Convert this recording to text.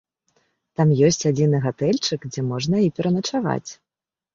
Там ёсць адзіны гатэльчык, дзе можна і пераначаваць.